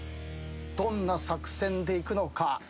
どんな作戦でいくのか。